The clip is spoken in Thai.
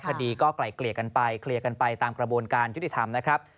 คดีก็ไกล่เคลียร์กันไปตามกระบวนการยุติธรรมนะครับ